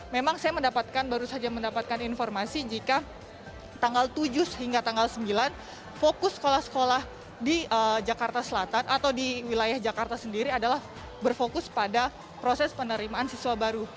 memang saya mendapatkan baru saja mendapatkan informasi jika tanggal tujuh hingga tanggal sembilan fokus sekolah sekolah di jakarta selatan atau di wilayah jakarta sendiri adalah berfokus pada proses penerimaan siswa baru